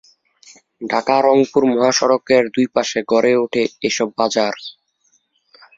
ঢাকা-রংপুর মহাসড়কের দুইপাশে গড়ে ওঠে এসব বাজার।